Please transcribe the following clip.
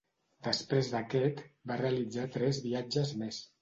Després d'aquest, va realitzar tres viatges més.